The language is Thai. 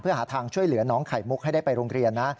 เพื่อหาทางช่วยเหลือน้องไข่มุกให้ได้ไปโรงเรียนนะ